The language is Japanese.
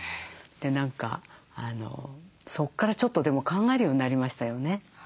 何かそこからちょっとでも考えるようになりましたよね。